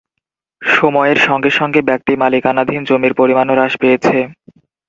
সময়ের সঙ্গে সঙ্গে ব্যক্তিমালিকানাধীন জমির পরিমাণও হ্রাস পেয়েছে।